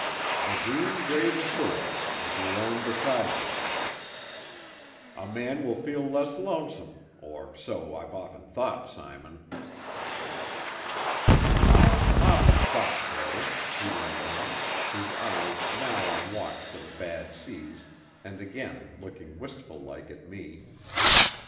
The green grave ashore, with your own beside you a man will feel less lonesome, or so I've often thought, Simon. "I've often thought so," he went on, his eyes now on watch for the bad seas and again looking wistful like at me.